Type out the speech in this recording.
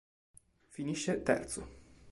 Finisce terzo.